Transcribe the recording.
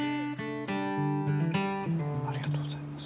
ありがとうございます。